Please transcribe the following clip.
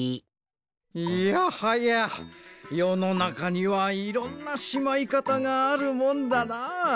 いやはやよのなかにはいろんなしまいかたがあるもんだなあ。